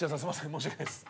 申し訳ないです。